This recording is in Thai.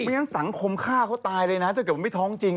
งั้นสังคมฆ่าเขาตายเลยนะถ้าเกิดว่าไม่ท้องจริง